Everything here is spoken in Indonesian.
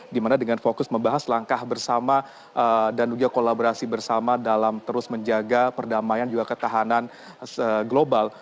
dimana dengan fokus membahas langkah bersama dan juga kolaborasi bersama dalam terus menjaga perdamaian juga ketahanan global